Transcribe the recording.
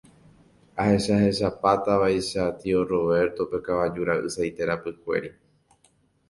Ahechahechapátavaicha tio Roberto-pe kavaju ra'y saite rapykuéri.